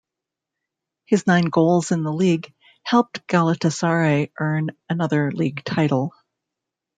His nine goals in the league helped Galatasaray earn another league title.